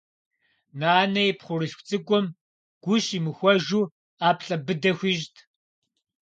Нанэ и пхъурылъху цӏыкӏум гу щимыхуэжу ӏэплӏэ быдэ хуищӏт.